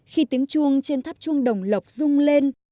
khi tiếng chuông trên tháp chuông đồng lộc rung lên